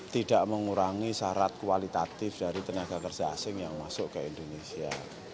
tidak mengurangi syarat kualitatif dari tenaga kerja asing yang masuk ke indonesia